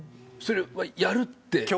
それはやるって。